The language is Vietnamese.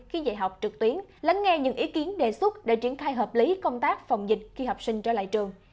khi dạy học trực tuyến lắng nghe những ý kiến đề xuất để triển khai hợp lý công tác phòng dịch khi học sinh trở lại trường